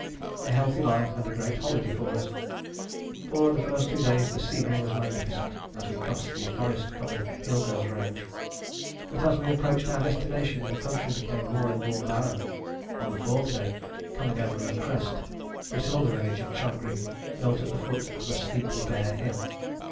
A healthy life and a great holiday for us. For the first two days the scenery was magnificent, as we crossed the forest covered Hilgas range, but as we approached our destination the country became more and more barren. On the fourth day, coming over a crest, we saw the village of Changri built at the foot of a steep and bare hill.